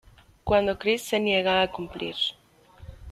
Cuando Chris se niega a cumplir.